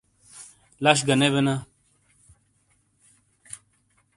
لش گہ نے بینا۔